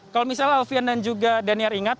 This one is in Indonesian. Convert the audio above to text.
kalau misalnya alfian dan juga daniar ingat